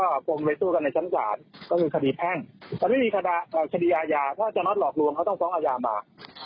มันไม่มีคดีอาญาถ้าจันทร์หลอกลวงเขาต้องสร้องอาญามา